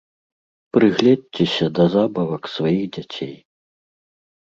Прыгледзьцеся да забавак сваіх дзяцей.